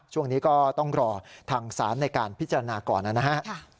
ช่วงนี้ก็ต้องรอทางศาลในการพิจารณาก่อนนะฮะ